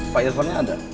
pak irfan nya ada